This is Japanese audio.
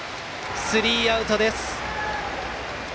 スリーアウトです。